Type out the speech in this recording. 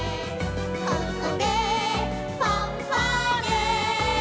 「ここでファンファーレ」